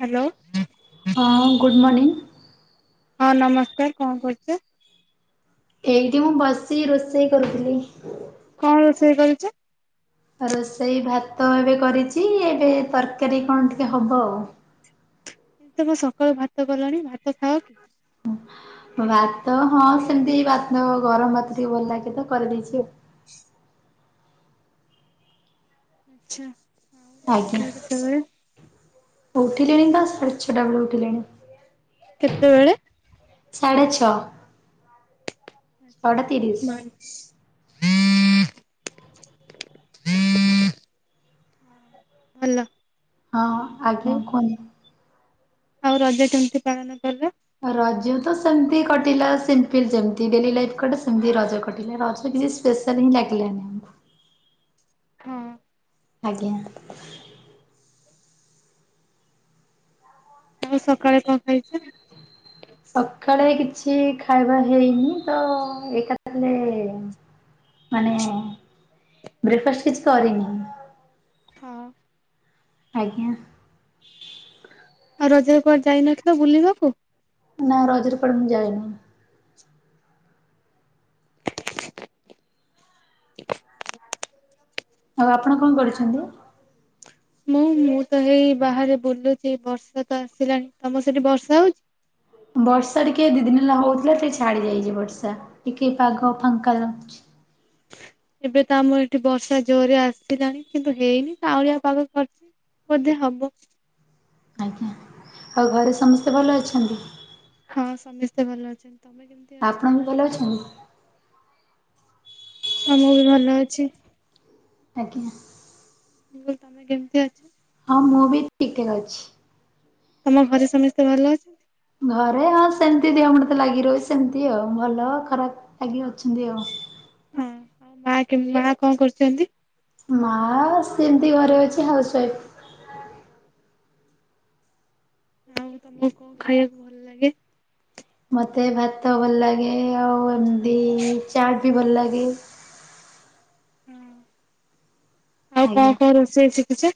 Hello ହଁ good morning. ହଁ ନମସ୍କାର କଣ କରୁଚ? ଏଇଠି ମୁଁ ବସି ରୋଷେଇ କରୁଥିଲି। କଣ ରୋଷେଇ କରୁଚ? ରୋଷେଇ ଭାତ ଏବେ କରିଚି ଏବେ ତରକାରୀ କଣ ଟିକେ ହବ ଆଉ। ତମ ସକାଳୁ ଭାତ କଲଣି ଭାତ ଖାଅ କି? ଭାତ ହଁ ସେମିତି ଭାତ ଗରମ ଭାତ ଟିକେ ଭଲ ଲାଗେ ତ କରିଦେଇଚି ଆଉ। [inaudible] ଆଛା ଆଜ୍ଞା ଉଠିଲ କେତେବେଳେ? ଉଠିଲିଣି ତ ସାଢେ଼ ଛ ଟା ବଳୁ ଉଠିଲିଣି। କେତେବେଳେ? ସାଢ଼େ ଛଅ। ଛଅଟା ତିରିଶ [inaudible] ହଲ। ହଁ ଆଜ୍ଞା କୁହନ୍ତୁ। ଆଉ ରଜ କେମିତି ପାଳନ କଲ? ରଜ ତ ସେମିତି କଟିଲା ସିମ୍ପଲ ଯେମିତି ଡେଲି ଲାଇଫ କଟେ ସେମିତି ରଜ କଟିଲା ରଜ କିଛି ସ୍ପେଶାଲ ହିଁ ଲାଗିଲାନି ଆମକୁ। ହଁ। ଆଜ୍ଞା। ଆଉ ସକାଳେ କଣ ଖାଇଛ? ସକାଳେ କି ଛି ଖାଇବା ହେଇନି ତ-ଏକାଥରେ ମାନେ ବ୍ରେକ୍ ଫାଷ୍ଟ କିଛି କରିନି। ହଁ। ଆଜ୍ଞା। ଆଉ ରଜରେ କୁଆଡେ ଯାଇନଥିଲ ବୁଲିବାକୁ? ନା ରଜରେ କୁଆଡେ ମୁଁ ଯାଇନି। ଆଉ ଆପଣ କଣ କରୁଛନ୍ତି? ମୁଁ ମୁଁ ତ ହେଇ ବାହାରେ ବୁଲୁଚି ବର୍ଷା ତ ଆସିଲାଣି। ତମ ସେଠି ବର୍ଷା ହଉଚି? ବର୍ଷା ଟିକେ ଦି ଦିନ ହେଲା ହଉଥିଲା ଟିକେ ଛାଡି ଯାଇଛି ବର୍ଷା ଟିକେ ପାଗ ଫାଙ୍କା ଲାଗୁଚି। ଏବେ ତ ଆମର ଏଠି ବର୍ଷା ଜୋରରେ ଆସିଲାଣି କିନ୍ତୁ ହେଇନି କାଉଁଳିଆ ପାଗ କରିଚି। ବୋଧେ ହବ। ଆଜ୍ଞା। ଆଉ ଘରେ ସମସ୍ତେ ଭଲ ଅଛନ୍ତି? ହଁ ମ ସମସ୍ତେ ଭଲ ଅଛନ୍ତି। ତମେ କେମିତି ଅଛ? ଆପଣ ବି ଭଲ ଅଛନ୍ତି? ମୁଁ ବି ଭଲ ଅଛି। ଆଜ୍ଞା। ମୁଁ କହିଲି ତମେ କେମିତି ଅଛ? ହଁ ମୁଁ ବି ଠିକ୍ ଠାକ୍ ଅଛି। ତମ ଘରେ ସମସ୍ତେ ଭଲ ଅଛନ୍ତି? ଘରେ ହଁ ସେମିତି ଦେହ ମୁଣ୍ଡ ତ ଲାଗି ରହିଚି ସେମିତି ଆଉ ଭଲ ଖରାପ ଲାଗି ଅଛନ୍ତି ଆଉ। ହଁ ଆଉ ମା ମା କଣ କରୁଛନ୍ତି? ମା ସେମତି ଘରେ ଅଛି ହାଉସ୍‌ୱାଇଫ। ଆଉ ତମକୁ କଣ ଖାଇବାକୁ ଭଲ ଲାଗେ? ମତେ ଭାତ ଭଲ ଲାଗେ ଆଉ ଏମିତି ଚାଟ୍ ବି ଭଲ ଲାଗେ। ହୁଁ ଆଉ ଆଜ୍ଞା। କଣ କଣ ରୋଷେଇ ଶିଖିଛ?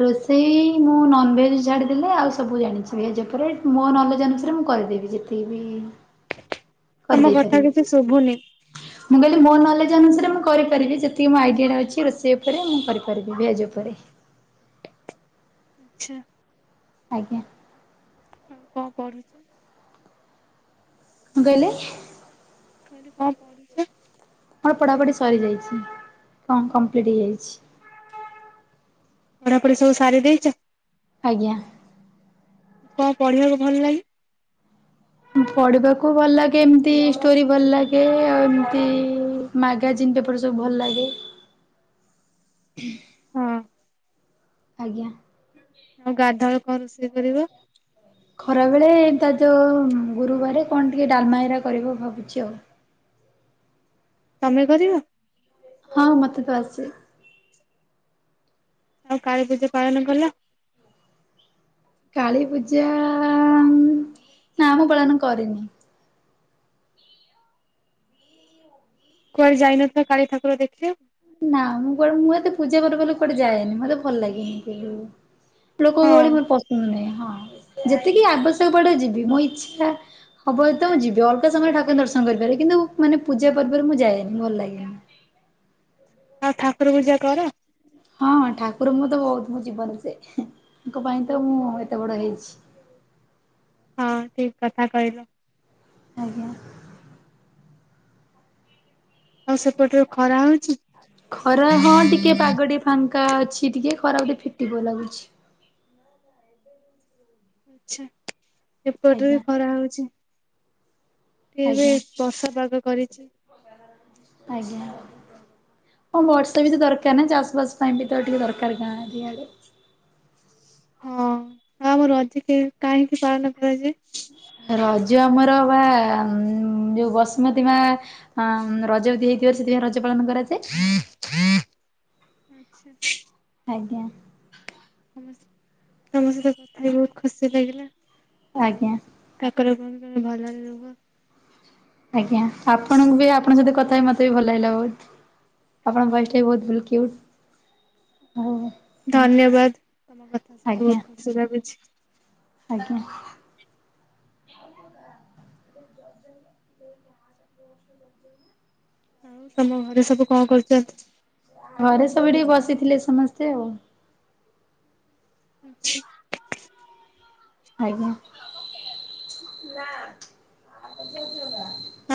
ରୋଷେଇ ମୁଁ ନନ୍‌ଭେଜ ଛାଡିଦଲେ ଆଉ ସବୁ ଜାଣିଛି ଭେଜ୍‌ ଉପରେ ମୋ ନଲେଜ୍‌ ଅନୁସାରେ ମୁଁ କରିଦେବି ଯେତିକି ବି ତମ କଥା କିଛି ଶୁଭୁନି କରିଦେଇପାରିବି। ମୁଁ କହିଲି ମୋ ନହଲେ ଅନୁସାରେ ମୁଁ କରିପାରିବି ଯେତିକି ମୋ ଆଇଡିଆ ଟା ଅଛି ରୋଷେଇ ଉପରେ ମୁଁ କରିପାରିବି ଭେଜ୍‌ ଉପରେ। ଛା। ଆଜ୍ଞା। ହଁ କଣ ପଢ଼ୁଚୁ? କଣ କହିଲେ? ଖାଲି କଣ ପଢୁଚ? ମୋର ପଢାପଢି ସରିଯାଇଛି କଣ କଂପ୍ଲିଟ୍ ହେଇଯାଇଛି। ପଢାପଢି ସବୁ ସାରି ଦେଇଛ? ଆଜ୍ଞା। କଣ ପଢିବାକୁ ଭଲ ଲାଗେ? ପଢିବାକୁ ଭଲ ଲାଗେ ଏମତି ଷ୍ଟୋରି ଭଲ ଲାଗେ ଆଉ ଏମତି ମାଗାଜିନ୍ ଯେପରି ସବୁ ଭଲ ଲାଗେ। [inaudible] [inaudible] ହଁ। ଆଜ୍ଞା। ଆଉ ଗାଧୁଆ ବେଳେ କଣ ରୋଷେଇ କରିବ? ଖରା ବେଳେ ତା ଯୋ ଗୁରୁବାରେ କଣ ଟିକେ ଡାଲମାଇରା କରିବ ଭାବୁଛି ଆଉ। ତମେ କରିବ? ହଁ ମତେ ତ ଆସେ। ଆଉ କାଳୀ ପୂଜା ପାଳନ କଲ? କାଳୀ ପୂଜା ଆ ନା ମୁଁ ପାଳନ କରିନି। କୁଆଡେ ଯାଇନ ତ କାଳୀ ଠାକୁର ଦେଖିବାକୁ। ନା ମୁଁ କୁଡେ ମୁଁ ଏତେ ପୂଜା ପର୍ବ ହେଲେ କୁଆଡେ ଯାଏନି ମତେ ଭଲ ଲାଗେନି ସେ ଯୋଉ ଲୋକ ହଁ ଗହଳି ମୋର ପସନ୍ଦ ନାହିଁ ହଁ ଯେତିକି ଆବଶ୍ୟକ ପଡେ ଯିବି ମୋ ଇଚ୍ଛା ହବ ଯଦି ତ ମୁଁ ଯିବି ଅଲଗା ସମୟରେ ଠାକୁର ଦର୍ଶନ କରିପାରେ କିନ୍ତୁ ମାନେ ପୂଜା ପର୍ବରେ ମୁଁ ଯାଏନି ଭଲ ଲାଗେନି। [inaudible] ଆଉ ଠାକୁର ପୂଜା କର? ହଁ ଠାକୁର ମୁଁ ତ ବହୁତ ମୋ ଜୀବନ ସେ ତାଙ୍କ ପାଇଁ ତ ମୁଁ ଏତେ ବଡ଼ ହେଇଛି। [inaudible] ଠିକ୍ କଥା କହିଲ। ଆଜ୍ଞା। ଆଉ ସେପଟରେ ଖରା ହୋଉ ଖରା ହଁ ଟିକେ ପାଗ ଟିକେ ଫାଙ୍କା ଅଛି ଟିକେ ଖରା ବୋଧେ ଫିଟି ପଇଲା ବୋ [inaudible] ଆଚ୍ଛା ଏପଟରେ ଆଜ୍ଞା ବି ଖରା ହୋଉଛି। ଏବେ ଆଜ୍ଞା ବର୍ଷା ପାଗ କରିଚି। ଆଜ୍ଞା। ଓଁ ବର୍ଷା ବି ତ ଦରକାର ନା ଚାଷ ବାସ ପାଇଁ କେତେବେଳେ ଟିକେ ଦରକାର ଗାଁ ବି ଏଇ ଆଡ଼େ। [inaudible] ହଁ ଆଉ ଆମ ରଜ ଅଧିକ କାହିଁକି ପାଳନ କରାଯାଏ? ରଜ ଆମର ବା ଯୋଉ ବସୁମତୀ ମା ଆ ରଜ ଯଦି ହେଇଥିବ ସେଥିପାଇ। ପାଳନ କରା ଆ୍ଛା ଆଜ୍ଞା ସମ ତମ ସହିତ କଥା ହ ବହୁତ ଖୁସି ଲାଗିଲା ଆଜ୍ଞା ଆଉ କଣ ଭଲ ଆଜ୍ଞା ଆପଣଙ୍କୁ ବି ଆପଣଙ୍କ ସତ କଥା ମତେ ବି ଭଲ ଲାଗିଲା ବହୁତ ଆପଣଙ୍କ ବସ ବି ବହୁଲଉ ଧନ୍ୟବାଦ ତମ କଥା ଶୁଣି ଆଜ୍ଞା। ବହୁତ ଖୁସି ଭାବୁଛି ଆଜ୍ଞା ହଁ ତମ ଘରେ ସବୁ କଣ କରୁଛନ୍ତି ଘରେ ସବୁଠିକେ ବସିଥିଲେ ସମସ୍ତେ ଆଉ ଆଛା ଆଜ୍ଞା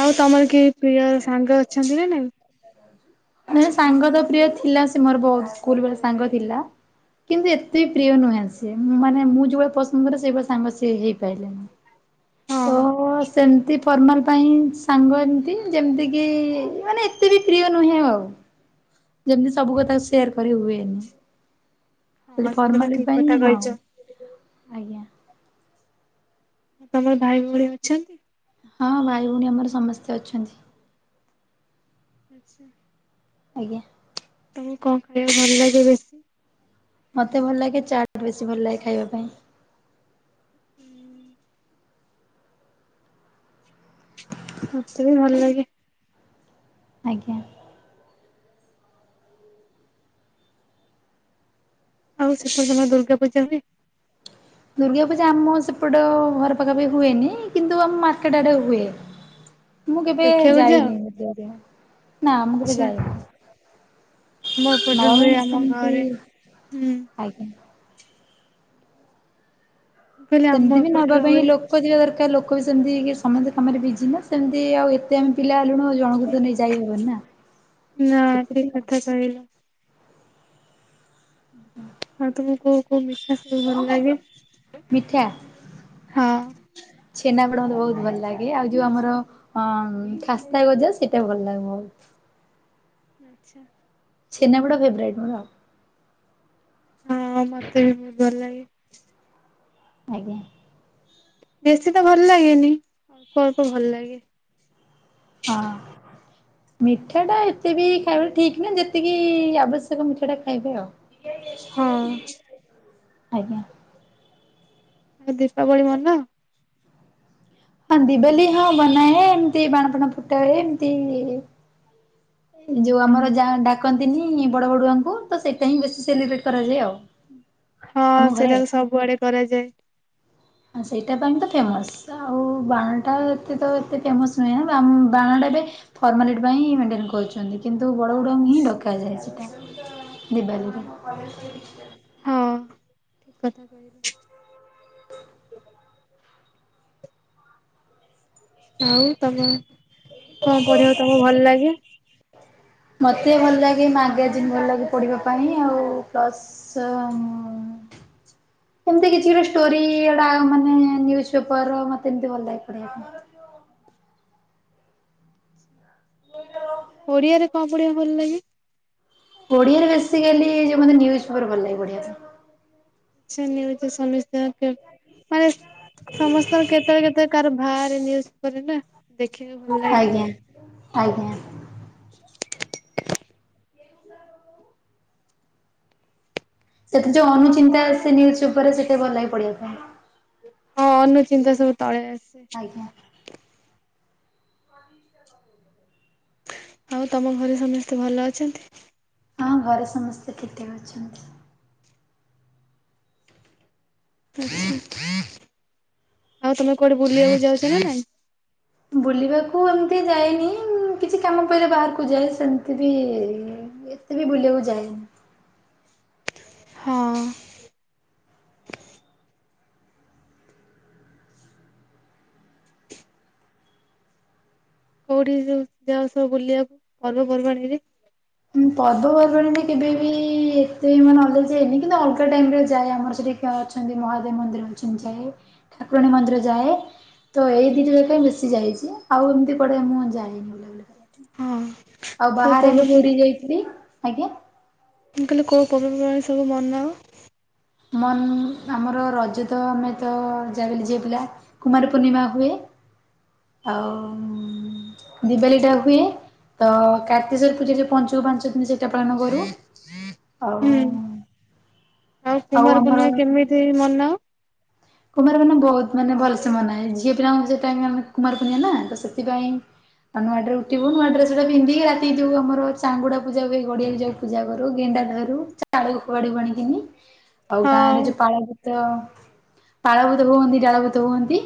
ଆଉ ତମର କିହି ପ୍ରିୟ ସାଙ୍ଗ ଅଛନ୍ତି ନା ନାଇ ମ ସାଙ୍ଗ ତ ପ୍ରିୟ ଥିଲା ସେ ମୋର ବହୁତ ସ୍କୁଲ ସାଙ୍ଗ ଥିଲା କିନ୍ତୁ ଏତେ ପ୍ରିୟ ନୁହେଁ ସିଏ ମାନେ ମୁଁ ଯୋଉଭଳେ ପସନ୍ଦ କରେ ସେଇଭଳିଆ ସାଙ୍ଗ ସି ହେଇପାରିଲନି ହଁ ତ ସେମିତି ଫର୍ମାଲ ପାଇଁ ସାଙ୍ଗ ଏମିତି ଯେମିତି କିି ମାନେ େ ବି ପ୍ରିୟ ନୁହେଁ ଆଉ ଯେମିତି ସବୁ କଥା ସେୟାର କରି ହୁଏନି ହଁ ଖାଲି ସେଟା ତ ଫର୍ମାଲି ଠିକ ପାଇଁ କଥା ହଁ କହିଛ। ଆଜ୍ଞା ତମର ଭାଇ ଭଉଣୀ ଅଛନ୍ତି ହଁ ଭାଇ ଭଉଣୀ ଆମର ସମସ୍ତେ ଅଛନ୍ତି ଆଚ୍ଛା ଆଜ୍ଞା ତମକୁ କଣ ଖାଇବା ଭଲ ଲାଗେ ବେଶୀ ମତେ ଭଲ ଲାଗେ ଚାୁ ବେଶୀ ଭଲ ଲାଗେ ଖାଇବା ପାଇଁ ହୁଁ ମତେ ବି ଭଲ ଲାଗେ ଆଜ୍ଞା ଆଉ ଶେଷ ଦିନ ଦୁର୍ଗା ପୂଜାାରେ ଦୁର୍ଗା ପୂଜା ଆମ ସେପଟେ ଘର ପାଖାପ ହୁଏନି କିନ୍ତୁ ଆମ ମାର୍କେଟ ଆଡେ ହୁଏ ମୁଁ କେବେ ଦେଖିବାକୁ ଯାଅ? ଯାଇନି ନା ମୁଁ କେବେ ଆଚ୍ଛା ଯାଇନି ଆମ ଏପଟରେ ନବା ହୁଏ ଆମ ପାଇଁଥାତି ଘରେ ହୁଁ। ମୁଁ ଆଜ୍ଞା କହିଲି ଆମ ସେମିତି ବି ନବା ଏପଟରେ ପାଇଁ ହୁଏ ଲୋକ ଯିବା ଦରକାର ଲୋକ ଲୋକ ବି ସେମିତି ସମସ୍ତେ କାମରେ ବିଜି ନା ସେମିତି ଆଉ ଏତେ ଆମେ ପିଲା ଜଣଙ୍କୁ ତ ନେଇ ଯାଇ ହବନି ନା ନା ସେ ଠିକ କଥା କହିଲ। ଆଉ ତମକୁ କୋଉ କୋଉ ମିଠା ସବୁ ଭଲ ଲାଗେ ମିଠା ହଁ ପ ବହୁତ ଭଲ ଲାଗେ ଆଉ ଯୋଉ ଆମର ଅ ଖାସ୍ତା ଗଜ ସେଇଟା ବି ଭଲ ଲାଗେ ବହୁତ ଆଚଛା ିନ୍ ପଡ ଫେବରାଇଟ ମର ହଁ ମତେ ବିହୁତ ଭଲଇ ଆଜ୍ଞା ବେଶୀ ତ ଭଲ ଲାଗେନି ଅଳ୍ପ ଅଳ୍ପ ଭଲ ଲାଗେ ହଁ ମିଠା ଟା ଏତେ ବି ଖାଇବା ଠିକ ନା ଯେତିକି ଆବଶ୍ୟକ ମିଠା ଟା ଖାଇବେ ହଁ ଆଉ ଆଉ ଆଜ୍ଞା ଆଉ ଦୀପାବଳି ମନ ହଁ ଦିବାଲି ହଁ ବନାଏ ଏମତି ବାଣ ଫାଣ ଫୁଟ ହୁଏ ଏମତି ଯୋଉ ଆମର ଯାହା ଡାକନ୍ତିନି ବଡବଡୁଆଙ୍କୁ ତ ସେଥିପାଇଁ ବେଶୀ ସେଲିବ୍ରେଟ କରାଯାଏ ଆଉ। ହଁ ଆମ ସେଇଟା ତ ସବୁଆଡେ କରାଯାଏ। ହଁ ସେଇଟା ପାଇଁ ତ ଫେମୋସ ଆଉ ବାଣ ଟା ହେତେ ତ ହେତେ ଫେମସ୍ ନୁହେଁ ନା ବାଣ ଟା ଏବେ ଫର୍ମାଲିଟୀ ପାଇଁ ମେଣ୍ଟେନ କରୁଛନ୍ତି। କିନ୍ତୁ ବଡ଼ବଡୁଆ ହିଁ ଡକାଯାଏ ସେଟା ଦିିବାଲିୀରେ। ହୁଁ [inaudible] ଆଉ ତମ, କଣ ପଢ଼ିବାକୁ ତମକୁ ଭଲ ଲାଗେ? ମତେ ଭଲ ଲାଗେ ମାଗାଜିନ୍ ଭଲ ଲାଗେ ପଢିବା ପାଇଁ ଆଉ ପ୍ଲସ୍ ଏମତି କିଛି ଗୋଟେ ଷ୍ଟୋରି ଏଡା ମାନେ ନିଉଜ୍ ପେପର ମତେଏମତି ଭଲ ଲାଗ ପଢିବା ପାଇଁ। [unintelligible] ଓଡିଆରେ କଣ ପଢିବାକୁ ଭଲ ଲାଗେ? ଓଡିଆରେ ବେଶୀକାଲି ଯୋଉ ମାନେ ନିଉଜ୍ ପେପର ଭଲ ଲାଗେ ପଢିବା ପାଇଁ। ଆଚ୍ଛା ନିଉଜ ତ ସମସ୍ତଙ୍କର ଫେବ [unintelligible] ସମସ୍ତଙ୍କର କେତେବେଳ କେତେବେଳେ କାହାର ଭାର ନିଉଜ୍ ପେପର ନା ଦେଖିବାକୁ ଭଲ ଲାଗେ। ଆଜ୍ଞା ଆଜ୍ଞା। [unintelligible] ସେଥିେରେ ଯୋଉ ଅନୁଚିନ୍ତା ସେ ନିଉଜ୍ ପେପର ରେ ସେଟା ବି ଭଲଲାଗେ ପଢିବା କୁ। ହଁ ଅନୁଚିନ୍ତା ସବୁ ତଳେ ଆସେ। ଆଜ୍ଞା। ଆଉ ତମ ଘରେ ସମସ୍ତେ ଭଲ ଅଛନ୍ତି। ହଁ ଘରେ ସମସ୍ତେ ଠିକ ଠାକ ଅଛନ୍ତି। ଆଉ ତମେ କୁଆଡେ ବୁଲିବାକୁ ଯାଉଛ ନା ନାଇଁ। ବୁଲିବାକୁ ଏମିତି ଯାଇନି ଉଁ। କିଛି କାମ ପିଇଲେ ବାହାରକୁ ଯାଏ ସେମିତି ବି ଏତେ ବି ବୁଲିବାକୁ ଯାଏନି। [unintelligible] ହଁ। କୋଉଠିକି ସବୁ ଯାଅ ସବୁ ବୁଲିବାକୁ ପର୍ବପର୍ବାଣି ହେଲେ ପର୍ବପର୍ବାଣଣିରେ କେବେ ବି ଏତେ ମାନେ ଅଲଗା ଯାଏନି କିନ୍ତୁ ଅଲଗା ଟାଇମ ରେ ଯାଏ ଆମର ସେଠି। ହଁ ଅଛନ୍ତି ମହାଦେବ ମନ୍ଦିର ଅଛନ୍ତି ଯାଏ ଠାକୁରାଣୀ ମନ୍ଦିର ଯାଏ। ତ ଏଇ ଦିଟା ଯାାଗା ମୁ ବେଶି ଯାଇଛି ଆଉ ଏମିତି କୁଆଡେ ମୁଁ ଯାଇନି। ହଁ ଆଉ କୋଉ ବାହାରେ ଆମେ ପୁରୀ ଯାଇଥିଲି, ଆଜ୍ଞା। ମୁ କହିଲି କୋଉ ପର୍ବ ପର୍ବାଣୀ ସବୁ ବନାଅ? ମନ ଆମର ରଜ ତ ଆମେ ତ ଯାହା ବି ହେଲେ ଝିଅ ପିଲା କୁମାର ପୂର୍ଣ୍ଣିମା ହୁଏ। [inaudible] ଆଉ ଦିିବାଲି ଟା ହୁଏ। ଅ କାର୍ତ୍ତିେଶ୍ଵର ପୂଜା ଯୋଉ ପଞ୍ଚୁକ ପାଞ୍ଚ ଦିନ ସେଇଟା ପାଳନ କରୁ। ଆଉ ହୁଁ। ଆଉ କୁମାର ଆମର। ପୂର୍ଣ୍ଣିମା କେମିତି ମନାଅ? କୁମାର ପୂର୍ଣ୍ଣିମା ବହୁତ୍ ମାନେ ଭଲସେ ମନାଏ ଝିଅ ପିିଲାକଙ୍କ ସେଇତ୍ ପାଇଁ ଆମେ କୁମାର ପୁର୍ଣିମା ନା ତ ସେଥିପାଇଁ। ଆଉ ନୂଆଡେ ଉଠିବୁ ନୂଆ ଡ୍ରେସ ଗୋଟେ ପିନ୍ଧିକି ରାତି ଯୋଉ ଆମର ଚାଙ୍ଗୁଡା ପୂଜା ହୁଏ ଗଡିଆକୁ ଯାଇ ପୂଜାୁ କରୁ ‌ଗିନ୍ [unintelligible] ଚାଳକୁ ଫୋପାଡିବୁ ଅଣିକିନି ଆଉ ଗାଁରେ ହଁ ଯୋଉ ପଳଭୂତ ପାଳଭୂତ ହୁଅନ୍ତି ଡାଳଭୂତ ହୁଅନ୍ତି।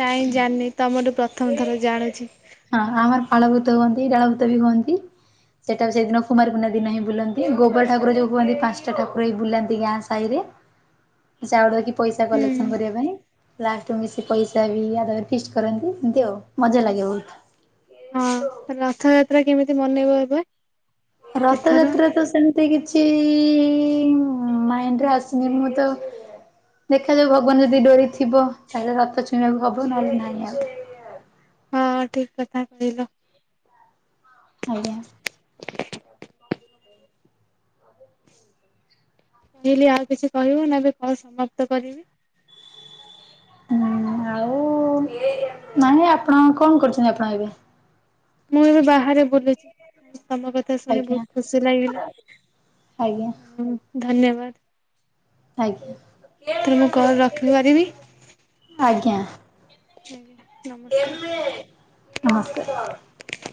ନାଇଁ ଜାଣିନି ତମ ଠୁ ପ୍ରଥମ ଥର ଜାଣୁଛି। ହଁ ଆମର ପାଳଭୂତ ହୁଅନ୍ତି ଡାଳଭୂତ ବି ହୁଅନ୍ତି। ସେଟା ସେଇଦିନ କୁମାରପୂର୍ଣ୍ଣିମା ଦିନ ହିଁ ବୁଲନ୍ତି ଗୋଵର ଠାକୁର ଯୋଉ କୁହନ୍ତି ପାଞ୍ଚଟା ଠାକୁର ହୋଇ ବୁଲାନ୍ତି ଗାଁ ସାହିରେ। [unintelligible] [inaudible] ପଇସା ହୁଁ କଲେକ୍ସନ କରିବା ପାଇଁ, ଲାଷ୍ଟ ମିଶି ପଇସା ବି ଫିଷ୍ଟ କରନ୍ତି। ହାଲୋ ମଜା ଲାଗେ ବହୁତ। ହଁ ରଥଯାତ୍ରା କେମିତି ମନେଇବ ଏବେ? ଏଥର ରଥଯାତ୍ରା ତ ସେମିତି କିଛି [inaudible] ମାଇଣ୍ଡି ରେ ଆସିନି ମୁଁ ତ। ଦେଖାଯାଉ ଭଗବାନ ଯଦି ଡ଼ୋରିଥିବ, ତାହେଲେ ରଥ ଛୁଇଁବାକୁ ହବ ନହେଲେ ନାଇଁ ଆଉ। ହଁ ଠିକ୍ କଥା କହିଲ। ଆଜ୍ଞା। କହିଲି ଆଉ କିଛି କହିବୁ ନା ଏବେ କଲ୍ ସମାପ୍ତ କରିବି। ହୁଁ ଆଉ ନାଇଁ ଆପଣ କଣ କରୁଛନ୍ତି ଆପଣ ଏବେ? ମୁଁ ଏବେ ବାହାରେ ବୁଲଛି। ତମ କଥା ଶୁଣି ଆଜ୍ଞା ବହୁତ ଖୁସି ଲାଗିଲା, ଆଜ୍ଞା ଆଊ ଧନ୍ୟବାଦ। ଆଜ୍ଞା, ଏଥର ମୁଁ କଲ୍ ରଖିପାରିବି ଆଜ୍ଞା। ଆଜ୍ଞା ନମସ୍କାର।